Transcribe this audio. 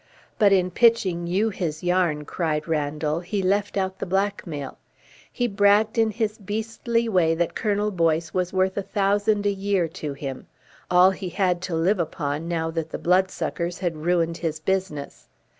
"But in pitching you his yarn," cried Randall, "he left out the blackmail. He bragged in his beastly way that Colonel Boyce was worth a thousand a year to him. All he had to live upon now that the blood suckers had ruined his business.